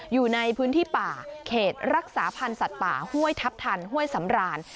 อยู่ในพื้นที่ป่าเขตรักษาพันธ์สัตว์ป่าห้วยทัพทันห้วยสำราน